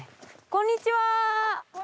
こんにちは！